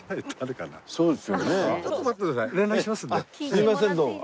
すみませんどうも。